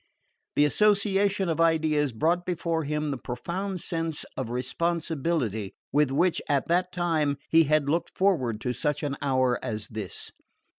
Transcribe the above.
The association of ideas brought before him the profound sense of responsibility with which, at that time, he had looked forward to such an hour as this.